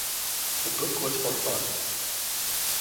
The book was for fun.